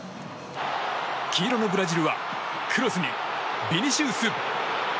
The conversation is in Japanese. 黄色のブラジルはクロスにビニシウス！